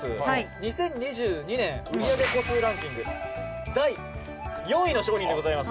「２０２２年売上個数ランキング第４位の商品でございます」